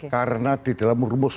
karena di dalam rumus